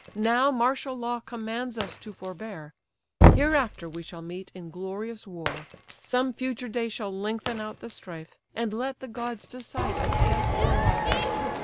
Now martial law commands us to forbear; Hereafter we shall meet in glorious war, Some future day shall lengthen out the strife, And let the gods decide of death or life!